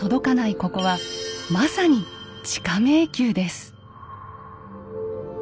ここはまさに地下迷宮です。